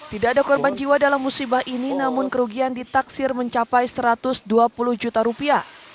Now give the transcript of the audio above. tidak ada korban jiwa dalam musibah ini namun kerugian ditaksir mencapai satu ratus dua puluh juta rupiah